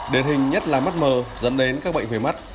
đề hình nhất là mắt mờ dẫn đến các bệnh về mắt